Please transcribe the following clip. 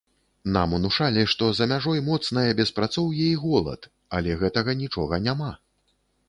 Нам унушалі, што за мяжой моцнае беспрацоўе і голад, але гэтага нічога няма.